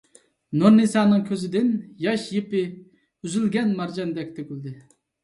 نۇرنىسانىڭ كۆزىدىن ياش يىپى ئۈزۈلگەن مارجاندەك تۆكۈلدى.